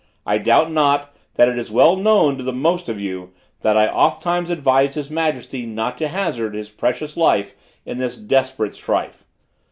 I doubt not, that it is well known to the most of you, that I ofttimes advised his majesty not to hazard his precious life in this desperate strife.